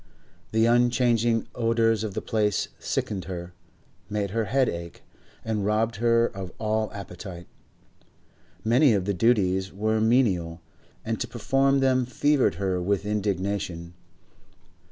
The unchanging odours of the place sickened her, made her head ache, and robbed her of all appetite. Many of the duties were menial, and to perform them fevered her with indignation.